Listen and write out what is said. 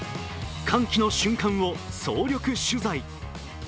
歓喜の瞬間を総力取材。